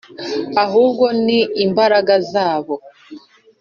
ahubwo ni imbaraga zabo